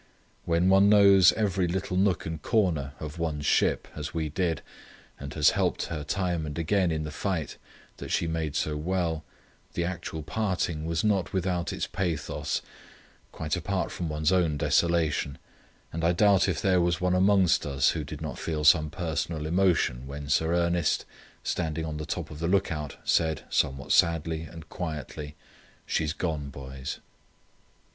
When one knows every little nook and corner of one's ship as we did, and has helped her time and again in the fight that she made so well, the actual parting was not without its pathos, quite apart from one's own desolation, and I doubt if there was one amongst us who did not feel some personal emotion when Sir Ernest, standing on the top of the look out, said somewhat sadly and quietly, 'She's gone, boys.